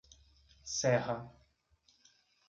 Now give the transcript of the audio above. Serra